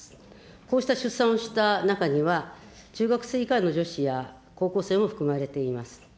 こうした出産をした中には、中学生以下の女子や高校生も含まれています。